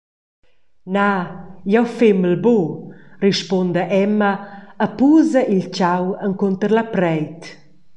«Na, jeu femel buc», rispunda Emma e pusa il tgau encunter la preit.